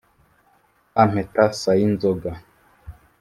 Kampeta Sayinzoga